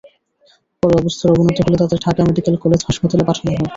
পরে অবস্থার অবনতি হলে তাঁদের ঢাকা মেডিকেল কলেজ হাসপাতালে পাঠানো হয়।